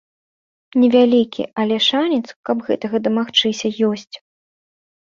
Невялікі, але шанец, каб гэтага дамагчыся, ёсць.